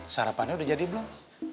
sarapannya udah jadi belum